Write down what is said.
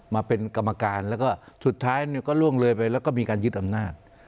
มาเป็นกรรมการแล้วก็สุดท้ายก็ล่วงเลยไปแล้วก็มีการยึดอำนาจ